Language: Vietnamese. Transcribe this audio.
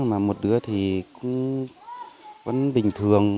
một đứa thì vẫn bình thường